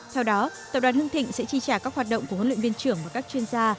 theo đó tập đoàn hưng thịnh sẽ chi trả các hoạt động của huấn luyện viên trưởng và các chuyên gia